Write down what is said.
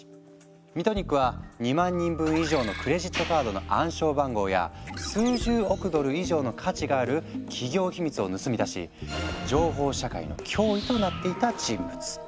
ミトニックは２万人分以上のクレジットカードの暗証番号や数十億ドル以上の価値がある企業秘密を盗み出し「情報社会の脅威」となっていた人物。